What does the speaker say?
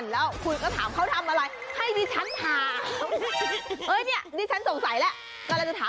แล้วคุณบอกว่าถ้าเกิดว่าไม่ได้ทำสิ่งนี้จะไม่ได้แต่งงาน